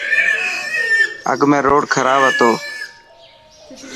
اڳ ۾ روڊ کراب هتو.